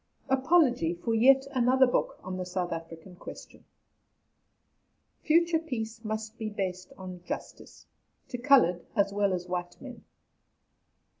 APOLOGY FOR "YET ANOTHER BOOK" ON THE SOUTH AFRICAN QUESTION. FUTURE PEACE MUST BE BASED ON JUSTICE, TO COLOURED AS WELL AS WHITE MEN.